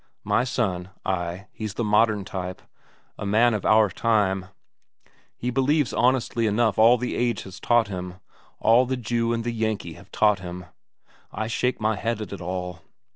"My son, ay, he's the modern type, a man of our time; he believes honestly enough all the age has taught him, all the Jew and the Yankee have taught him; I shake my head at it all.